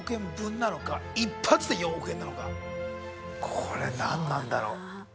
これ何なんだろう。